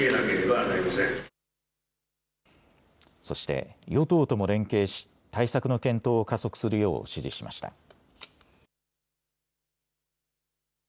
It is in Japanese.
そして与党とも連携し対策の検討を加速するよう指示しました。